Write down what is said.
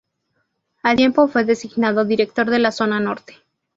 Al tiempo fue designado director de la zona norte.